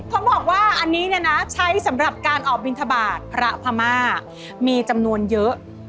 เขาบอกว่าอันนี้เนี่ยนะใช้สำหรับการออกบินทบาทพระพม่ามีจำนวนเยอะ